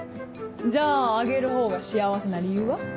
じゃああげるほうが幸せな理由は？